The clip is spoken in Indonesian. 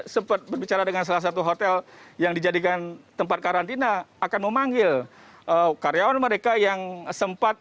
sempat berbicara dengan salah satu hotel yang dijadikan tempat karantina akan memanggil karyawan mereka yang sempat